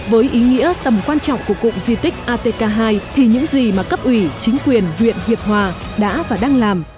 với ý nghĩa tầm quan trọng của cụm di tích atk hai thì những gì mà cấp ủy chính quyền huyện hiệp hòa đã và đang làm